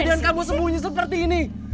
kemudian kamu sembunyi seperti ini